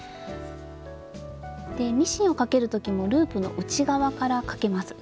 ミシンをかける時もループの内側からかけます。